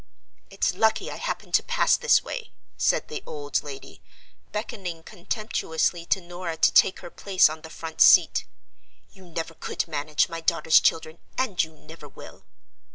"It's lucky I happened to pass this way," said the old lady, beckoning contemptuously to Norah to take her place on the front seat; "you never could manage my daughter's children, and you never will."